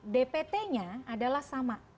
dpt nya adalah sama